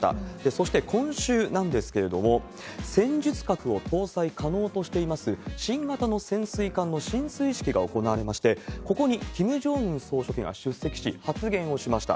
そして、今週なんですけれども、戦術核を搭載可能としています、新型の潜水艦の進水式が行われまして、ここにキム・ジョンウン総書記が出席し、発言をしました。